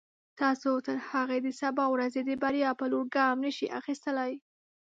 تاسو تر هغې د سبا ورځې د بریا په لور ګام نشئ اخیستلای.